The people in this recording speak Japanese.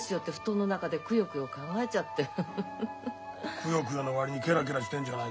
クヨクヨの割にケラケラしてんじゃないか。